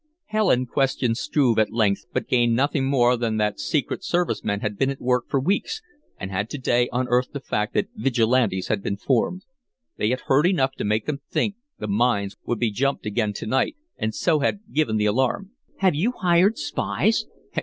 Helen questioned Struve at length, but gained nothing more than that secret service men had been at work for weeks and had to day unearthed the fact that Vigilantes had been formed. They had heard enough to make them think the mines would be jumped again to night, and so had given the alarm. "Have you hired spies?"